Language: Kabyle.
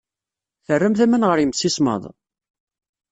Terramt aman ɣer yimsismeḍ?